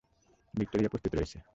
Victoria প্রস্তুত রয়েছে।